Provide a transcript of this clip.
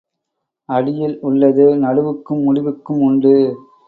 அடியில் உள்ளது நடுவுக்கும் முடிவுக்கும் உண்டு.